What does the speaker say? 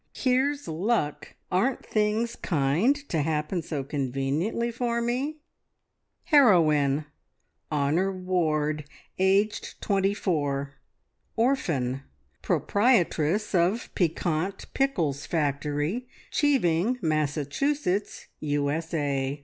Here's luck! Aren't things kind to happen so conveniently for me? "Heroine. Honor Ward, aged twenty four. Orphan. Proprietress of Piquant Pickles Factory, Cheeving, Massachusetts, USA.